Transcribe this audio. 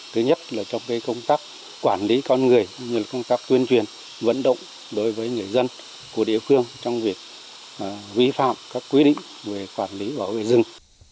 thứ nhất là trong công tác quản lý con người như công tác tuyên truyền vận động đối với người dân của địa phương trong việc vi phạm các quy định về quản lý bảo vệ rừng